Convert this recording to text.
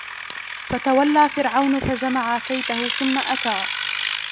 فتولى فرعون فجمع كيده ثم أتى